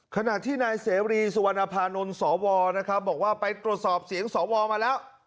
ขณะที่นายเสรีสุวรรณภานนท์สวนะครับบอกว่าไปตรวจสอบเสียงสวมาแล้ว